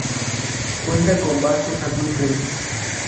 Cuenta con vastos acuíferos.